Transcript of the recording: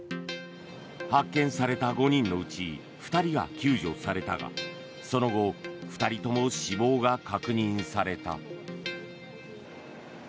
発見された５人のうち２人が救助されたがその後２人とも死亡が確認された。